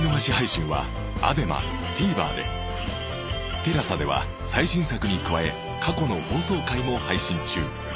ＴＥＬＡＳＡ では最新作に加え過去の放送回も配信中